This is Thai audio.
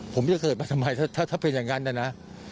ผมจะเกิดมาทำไมถ้าเป็นอย่างนั้นนะนะ